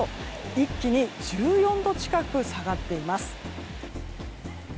一気に１４度近く下がっています。